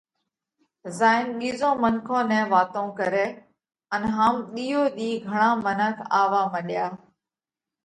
زائينَ ٻِيزون منکون نئہ واتون ڪري ان هم ۮِيئو ۮِي گھڻا منک آوَوا مڏيا۔